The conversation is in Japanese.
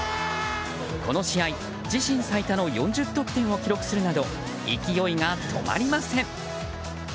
この試合、自身最多の４０得点を記録するなど勢いが止まりません。